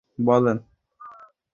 আজকে তো আমার কপাল খুলে যাবে।